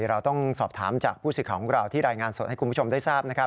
เราต้องสอบถามจากผู้สิทธิ์ของเราที่รายงานสดให้คุณผู้ชมได้ทราบ